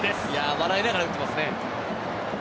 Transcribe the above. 笑いながら打っていますね。